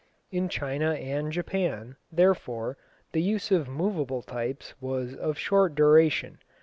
In China and Japan, therefore, the use of moveable types was of short duration.